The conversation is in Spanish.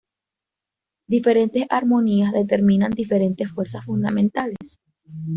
Diferentes armonías determinan diferentes fuerzas fundamentales.